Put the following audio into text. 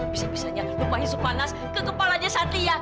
bisa bisanya tumpahin sup panas ke kepalanya sat ya